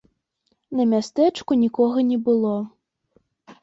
На мястэчку нікога не было.